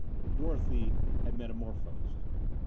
Dorothy had metamorphosed.